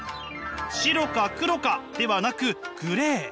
白か黒かではなくグレー。